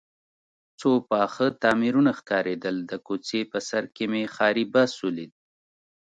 څو پاخه تعمیرونه ښکارېدل، د کوڅې په سر کې مې ښاري بس ولید.